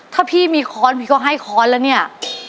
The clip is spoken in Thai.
ถ้าพี่มีค้อนพี่ก็ให้ค้อนแล้วเนี่ย